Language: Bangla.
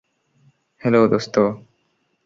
হ্যালো, দোস্ত!